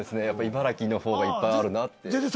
やっぱ茨城の方がいっぱいあるなって。